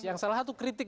yang salah satu kritik